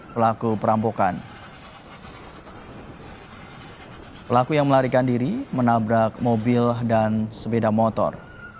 pelaku perampokan pelaku yang melarikan diri menabrak mobil dan sepeda motor